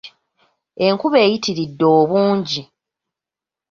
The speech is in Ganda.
Enkuba eyitiridde obungi.